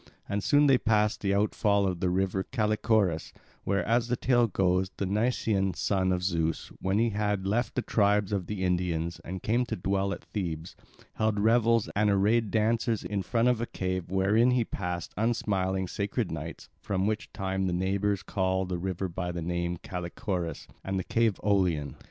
And soon they passed the outfall of the river Callichorus, where, as the tale goes, the Nysean son of Zeus, when he had left the tribes of the Indians and came to dwell at Thebes, held revels and arrayed dances in front of a cave, wherein he passed unsmiling sacred nights, from which time the neighbours call the river by the name of Callichorus and the cave Aulion.